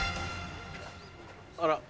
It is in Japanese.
あら。